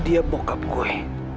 dia bokap gue